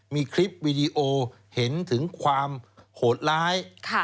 มีคลิปวีดีโอเห็นถึงความโหดร้าย